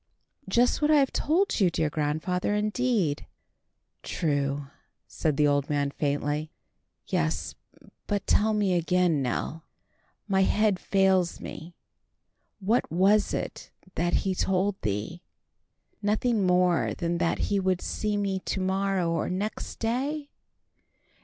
"Just what I have told you, dear grandfather, indeed." "True," said the old man faintly. "Yes. But tell me again, Nell. My head fails me. What was it that he told thee? Nothing more than that he would see me to morrow or next day?